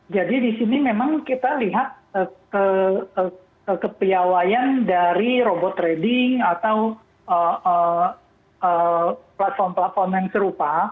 jadi di sini memang kita lihat kekepiawaian dari robot trading atau platform platform yang serupa